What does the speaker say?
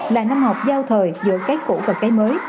là năm học giao thời giữa cái cũ và cái mới